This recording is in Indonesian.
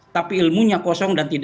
tapi ilmunya kosong dan tidak